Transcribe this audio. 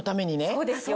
そうですよ